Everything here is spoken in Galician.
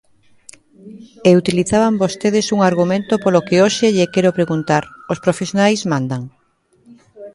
E utilizaban vostedes un argumento polo que hoxe lle quero preguntar: os profesionais mandan.